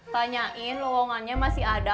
tanyain lowongannya masih ada